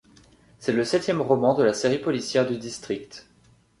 C’est le septième roman de la série policière du District.